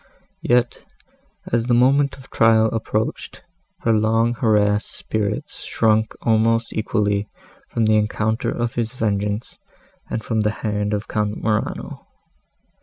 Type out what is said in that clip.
Yet, as the moment of trial approached, her long harassed spirits shrunk almost equally from the encounter of his vengeance, and from the hand of Count Morano.